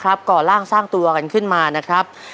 ก่อล่างสร้างตัวกันขึ้นมานะครับ